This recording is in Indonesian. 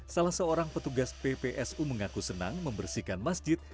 salah seorang petugas ppsu mengaku senang membersihkan masjid